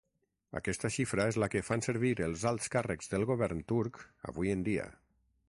Aquesta xifra és la que fan servir els alts càrrecs del govern turc avui en dia.